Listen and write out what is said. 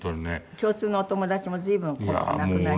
共通のお友達も随分ここのところ亡くなり。